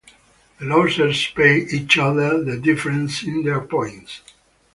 The losers pay each other the difference in their points.